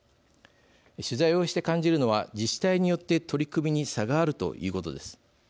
取材をして感じるのは自治体によって取り組みに差があるということです。